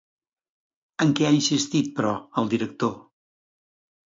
En què ha insistit, però, el director?